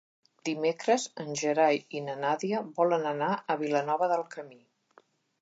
Dimecres en Gerai i na Nàdia volen anar a Vilanova del Camí.